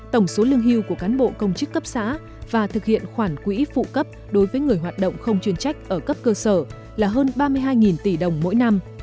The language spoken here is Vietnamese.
tổng số lương hưu của cán bộ công chức cấp xã và thực hiện khoản quỹ phụ cấp đối với người hoạt động không chuyên trách ở cấp cơ sở là hơn ba mươi hai tỷ đồng mỗi năm